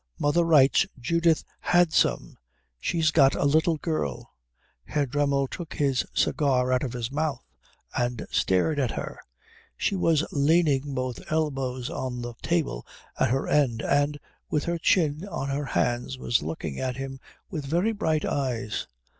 Mother writes Judith had some. She's got a little girl." Herr Dremmel took his cigar out of his mouth and stared at her. She was leaning both elbows on the table at her end and, with her chin on her hands, was looking at him with very bright eyes.